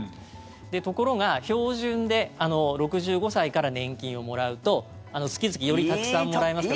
ところが、標準で６５歳から年金をもらうと月々よりたくさんもらえますと。